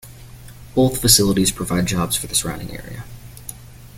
Both facilities provide jobs for the surrounding area.